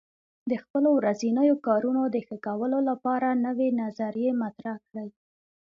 د خپلو ورځنیو کارونو د ښه کولو لپاره نوې نظریې مطرح کړئ.